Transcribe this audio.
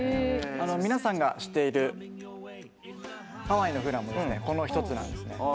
皆さんが知っているハワイのフラもこの１つなんです。